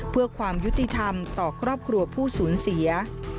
เพื่อความยุติธรรมต่อครอบครัวผู้สูญเสีย